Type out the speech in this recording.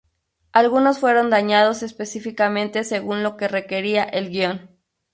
Algunos fueron dañados específicamente según lo requería el guion.